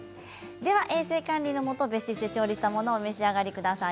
衛生管理で別室で調理したものをお召し上がりください。